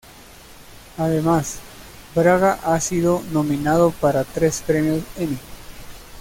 Además, Braga ha sido nominado para tres Premios Emmy.